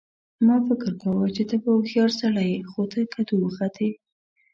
ما فکر کاوه چې ته به هوښیار سړی یې خو ته کدو وختې